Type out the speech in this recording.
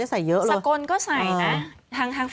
สกลก็ใส่นะ